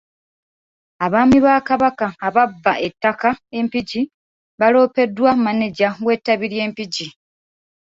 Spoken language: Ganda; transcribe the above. Abaami ba Kabaka ababba ettaka e Mpigi baloopeddwa maneja w'ettabi ly'e Mpigi.